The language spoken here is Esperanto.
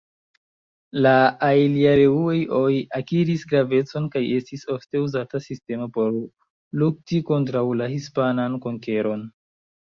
La ajljareŭe-oj akiris gravecon kaj estis ofte-uzata sistemo por lukti kontraŭ la hispanan konkeron.